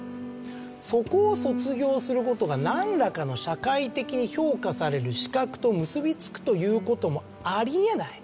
「そこを卒業することが何らかの社会的に評価される“資格”と結び付くということもあり得ない」。